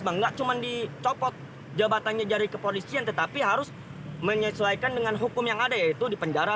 tidak cuma dicopot jabatannya dari kepolisian tetapi harus menyesuaikan dengan hukum yang ada yaitu di penjara